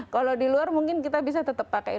kalau di luar mungkin kita bisa tetap pakai